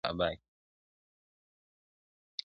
پرېږده جهاني دا د نیکه او د اباکیسې.!